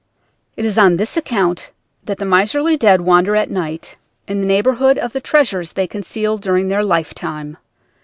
"It is on this account that the miserly dead wander at night in the neighborhood of the treasures they conceal during their life time.